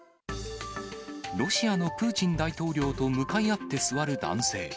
ロシアのプーチン大統領と向かい合って座る男性。